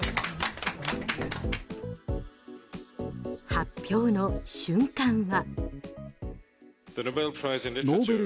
発表の瞬間は。